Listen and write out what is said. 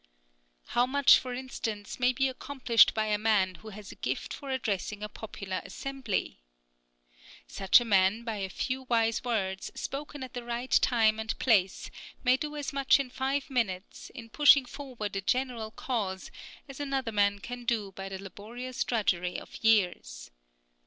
How much, for instance, may be accomplished by a man who has a gift for addressing a popular assembly! Such a man by a few wise words, spoken at the right time and place, may do as much in five minutes, in pushing forward a general cause, as another man can do by the laborious drudgery of years.